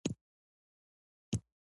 د نقشې په مرسته خلک ځایونه پیدا کوي.